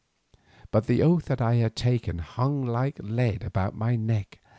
But the oath that I had taken hung like lead about my neck.